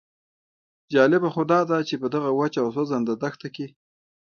جالبه خو داده چې په دغه وچه او سوځنده دښته کې.